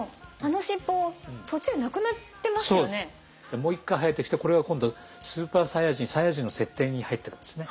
もう一回生えてきてこれが今度超サイヤ人サイヤ人の設定に入ってくんですね。